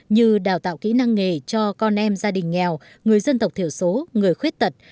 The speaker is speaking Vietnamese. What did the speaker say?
như đào tạo kỹ năng nghề cho con em gia đình nghèo người dân tộc thiểu số người khuyết tật